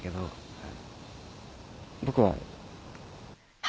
僕は。